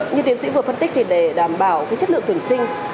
như tiến sĩ vừa phân tích thì để đảm bảo chất lượng tuyển sinh